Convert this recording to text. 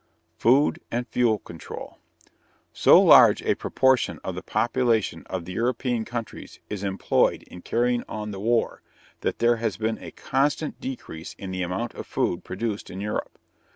Food and Fuel Control. So large a proportion of the population of the European countries is employed in carrying on the war that there has been a constant decrease in the amount of food produced in Europe.